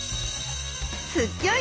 すギョい